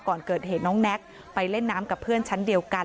ก่อนเกิดเหตุน้องแน็กไปเล่นน้ำกับเพื่อนชั้นเดียวกัน